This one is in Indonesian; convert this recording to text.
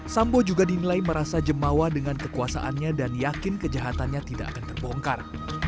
sambo juga dinilai merasa jemawa dengan kekuasaannya dan yakin kejahatannya tidak akan terbongkar